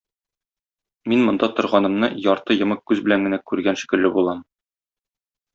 Мин монда торганымны ярты йомык күз белән генә күргән шикелле булам.